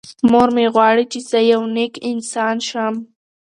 مور مې غواړي چې زه یو نېک انسان شم.